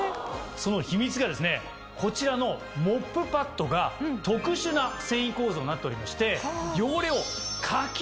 その秘密がですねこちらのモップパッドが。になっておりまして。